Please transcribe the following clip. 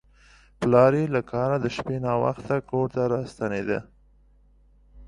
پلار یې له کاره د شپې ناوخته کور ته راستنېده.